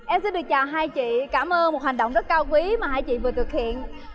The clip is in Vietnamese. em xin được chào hai chị cảm ơn một hành động rất cao quý mà hai chị vừa thực hiện